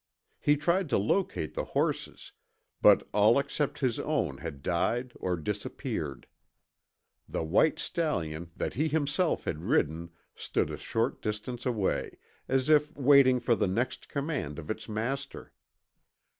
He tried to locate the horses, but all except his own had died or disappeared. The white stallion that he himself had ridden stood a short distance away, as if waiting for the next command of its master.